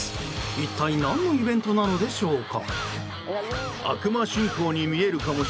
一体、何のイベントなのでしょうか。